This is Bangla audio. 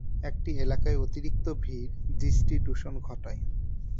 একটি এলাকায় অতিরিক্ত ভিড় দৃষ্টি দূষণ ঘটায়।